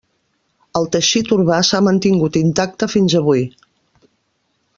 El teixit urbà s'ha mantingut intacte fins avui.